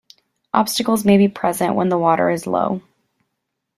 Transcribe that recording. Obstacles may be present when the water is low.